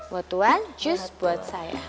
buat tuan jus buat saya